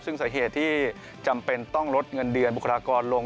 ซึ่งสาเหตุที่จำเป็นต้องลดเงินเดือนบุคลากรลง